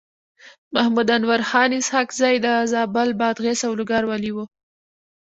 محمد انورخان اسحق زی د زابل، بادغيس او لوګر والي و.